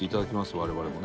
我々もね。